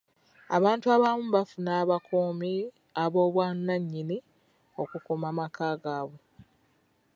Abantu abamu bafuna abakuumi ab'obwannannyini okukuuma amaka gaabwe.